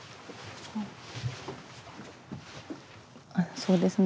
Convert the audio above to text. そうですね